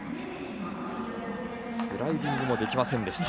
スライディングもできませんでした。